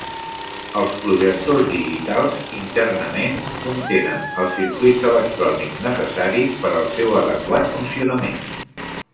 Els projectors digitals, internament, contenen els circuits electrònics necessaris per al seu adequat funcionament.